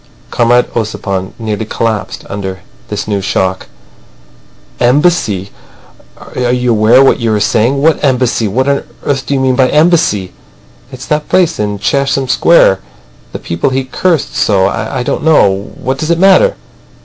Comrade Ossipon nearly collapsed under this new shock. "Embassy! Are you aware what you are saying? What Embassy? What on earth do you mean by Embassy?" "It's that place in Chesham Square. The people he cursed so. I don't know. What does it matter!"